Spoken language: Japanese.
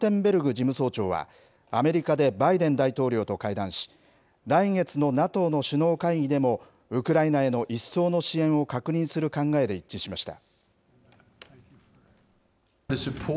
事務総長は、アメリカでバイデン大統領と会談し、来月のＮＡＴＯの首脳会議でも、ウクライナへのいっそうの支援を確認する考えで一致しました。